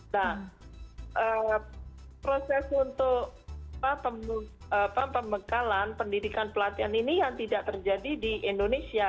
nah proses untuk pembekalan pendidikan pelatihan ini yang tidak terjadi di indonesia